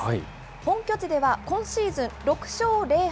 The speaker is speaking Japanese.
本拠地では今シーズン６勝０敗。